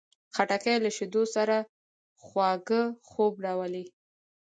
خټکی له شیدو سره خواږه خوب راولي.